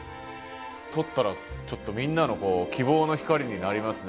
取ったらちょっとみんなの希望の光になりますね。